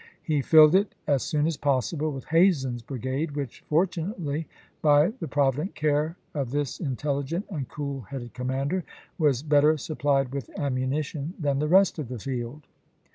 He filled it as soon as possible with Hazen's brigade which, fortunately, by the prov ident care of this intelligent and cool headed com mander, was better supplied with ammunition than the rest of the field.